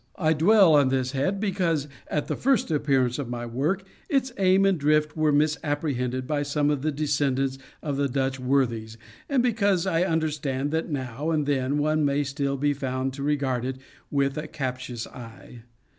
I dwell on this head because, at the first appearance of my work, its aim and drift were misapprehended by some of the descendants of the Dutch worthies, and because I understand that now and then one may still be found to regard it with a captious eye.